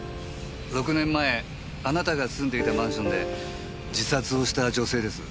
６年前あなたが住んでいたマンションで自殺をした女性です。